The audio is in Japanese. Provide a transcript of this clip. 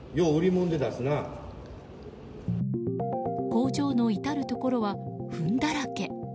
工場の至るところはふんだらけ。